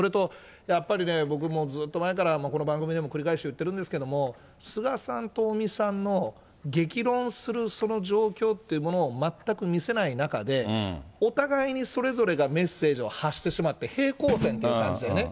やっぱりね、僕もうずっと前から、この番組でも繰り返し言ってるんですけど、菅さんと尾身さんの激論するその状況っていうものを全く見せない中で、お互いにそれぞれがメッセージを発してしまって、平行線って感じでね。